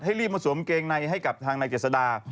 รีบมาสวมเกงในให้กับทางนายเจษดา